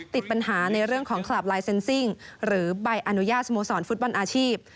ติดปัญหาในเรื่องของคลับลายเซ็นซิ่งหรือใบอนุญาตสโมสรฟุตบอลอาชีพ